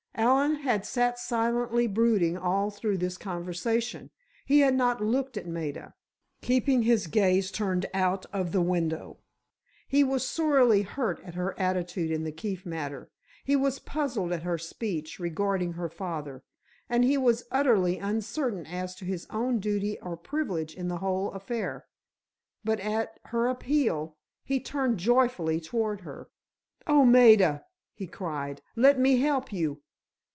Allen had sat silently brooding all through this conversation. He had not looked at Maida, keeping his gaze turned out of the window. He was sorely hurt at her attitude in the Keefe matter; he was puzzled at her speech regarding her father; and he was utterly uncertain as to his own duty or privilege in the whole affair. But at her appeal, he turned joyfully toward her. "Oh, Maida," he cried, "let me help you.